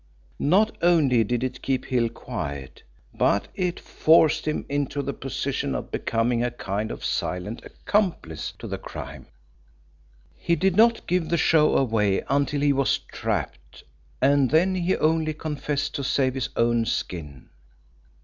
Not only did it keep Hill quiet, but it forced him into the position of becoming a kind of silent accomplice in the crime. You remember Hill did not give the show away until he was trapped, and then he only confessed to save his own skin.